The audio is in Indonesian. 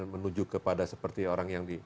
menuju kepada seperti orang yang di